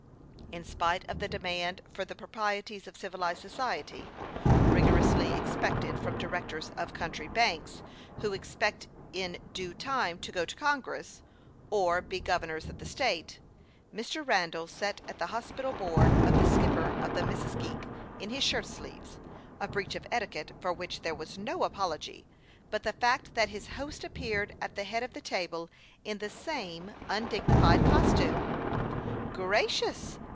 In spite of the demand for the proprieties of civilized society, rigorously ex acted from directors of country banks who expect in due time to go to Congress, or be governors of the state, Mr. Randall sat at the hospitable board of the skipper of the Missisque in his shirt sleeves a breach of etiquette for which there was no apol ogy but the fact that his host appeared at the head of the table in the same undignified costume. "Gracious